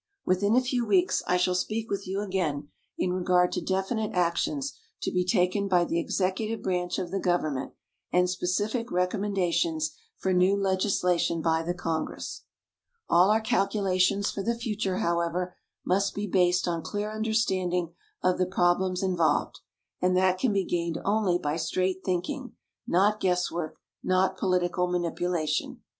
Within a few weeks I shall speak with you again in regard to definite actions to be taken by the executive branch of the government, and specific recommendations for new legislation by the Congress. All our calculations for the future, however, must be based on clear understanding of the problems involved. And that can be gained only by straight thinking not guesswork, not political manipulation.